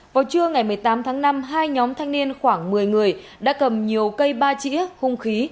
vào trưa ngày một mươi tám tháng năm hai nhóm thanh niên khoảng một mươi người đã cầm nhiều cây ba trĩa hung khí